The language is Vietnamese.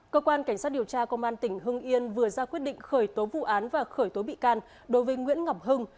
cơ quan cảnh sát điều tra công an tỉnh hưng yên vừa ra quyết định khởi tố vụ án và khởi tố bị can đối với nguyễn ngọc hưng